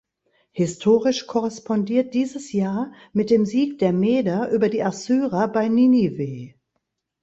Historisch korrespondiert dieses Jahr mit dem Sieg der Meder über die Assyrer bei Ninive.